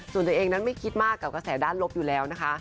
ส่วนตัวเองนั้นไม่คิดมากกับกระแสด้านลบอยู่แล้วนะคะ